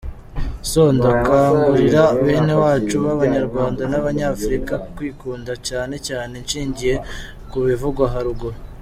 So, Ndakangurira bene wacu babanyarwanda n’abanyafrika kwikunda cyane cyane nshingiye ku bivugwa haruguru.